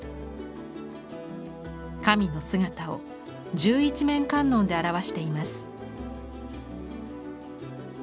神の姿を十一面観音で表しています。